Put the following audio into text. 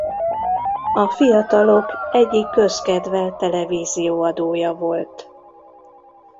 A fiatalok egyik közkedvelt televízió adója volt.